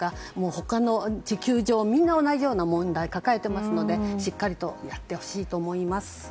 他の地球上みんな同じような問題を抱えていますのでしっかりやってほしいと思います。